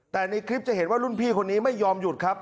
แต่ในคลิปจะเห็นว่ารุ่นพี่คนนี้ไม่ยอมหยุดครับ